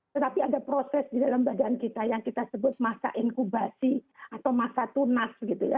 tetapi ada proses di dalam badan kita yang kita sebut masa inkubasi atau masa tunas gitu ya